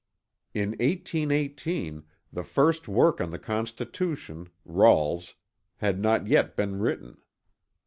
In 1818 the first work on the Constitution (Rawle's) had not yet been written.